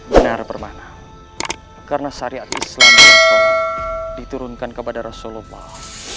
benar bermana karena syariat islam itu diturunkan kepada rasulullah